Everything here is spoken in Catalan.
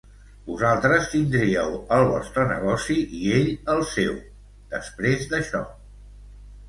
Vosaltres tindríeu el vostre negoci i ell el seu, després d'això.